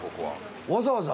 わざわざ？